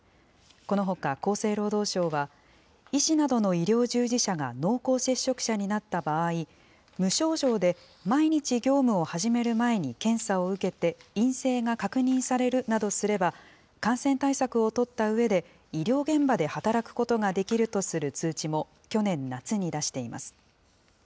このほか厚生労働省は、医師などの医療従事者が濃厚接触者になった場合、無症状で毎日業務を始める前に検査を受けて、陰性が確認されるなどすれば、感染対策を取ったうえで、医療現場で働くことができるとする通知も去年夏に出しています。